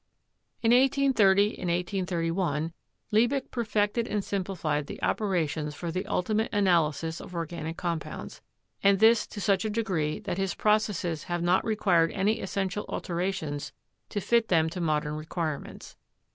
In 1830 183 1, Liebig perfected and simplified the opera tions for the ultimate analysis of organic compounds, and this to such a degree that his processes have not required any essential alterations to fit them to modern require ments.